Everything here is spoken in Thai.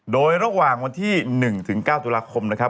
โดยระหว่างวันที่๑ถึง๙ตุลาคมนะครับ